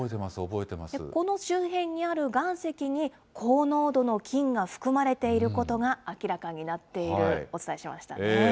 この周辺にある岩石に、高濃度の金が含まれていることが明らかになっている、お伝えしましたね。